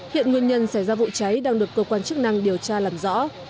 hiện nguyên nhân xảy ra vụ cháy đang được cơ quan chức năng điều tra làm rõ